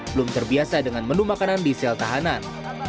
belum terbiasa dengan menu makanan di sel tahanan